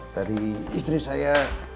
tadi istri saya